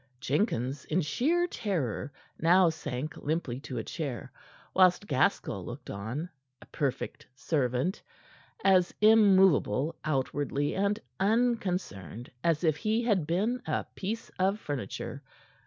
Jenkins, in sheer terror, now sank limply to a chair, whilst Gaskell looked on a perfect servant as immovable outwardly and unconcerned as if he had been a piece of furniture.